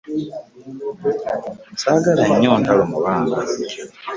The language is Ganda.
Sagala nnyo ntalo mu baana.